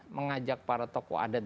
mengajak para tokoh adat